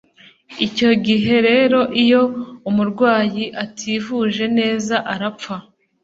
icyo gihe rero iyo umurwayi ativuje neza arapfa